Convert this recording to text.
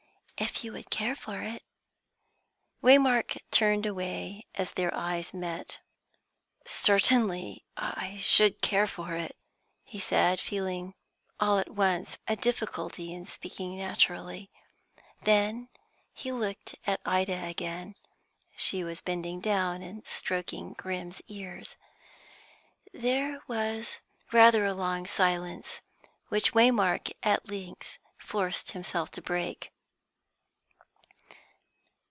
"If you would care for it." Waymark turned away as their eyes met. "Certainly I should care for it," he said, feeling all at once a difficulty in speaking naturally. Then he looked at Ida again; she was bending down and stroking Grim's ears. There was rather a long silence, which Waymark at length forced himself to break.